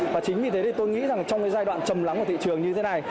và chính vì thế tôi nghĩ trong giai đoạn trầm lắng của thị trường như thế này